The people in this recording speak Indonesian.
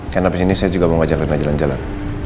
kan abis ini saya juga mau ngajak rena jalan jalan